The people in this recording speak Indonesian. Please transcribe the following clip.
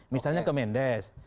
misalnya ke mendes